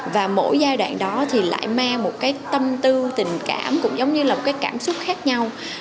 và mỗi giai đoạn đó thì lại mang một cái tâm tư tình cảm cũng giống như là một cái cảm xúc khác nhau